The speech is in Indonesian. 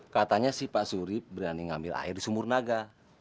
katanya sih pak surip berani ngambil air di sumur naga